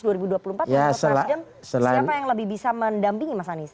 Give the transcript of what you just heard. siapa yang lebih bisa mendampingi mas anies